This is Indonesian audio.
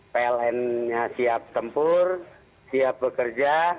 pln nya siap tempur siap bekerja